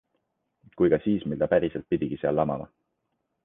Kui ka siis, mil ta päriselt pidigi seal lamama.